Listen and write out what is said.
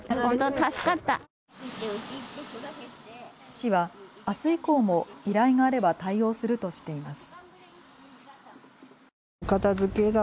市はあす以降も依頼があれば対応するとしています。